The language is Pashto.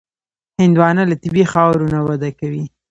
هندوانه له طبیعي خاورې نه وده کوي.